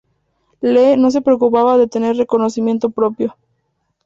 Lee no se preocupaba de tener reconocimiento propio.